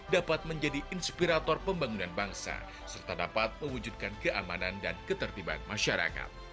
dapat menjadi inspirator pembangunan bangsa serta dapat mewujudkan keamanan dan ketertiban masyarakat